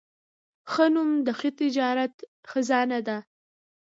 ښه نوم د هر تجارت خزانه ده.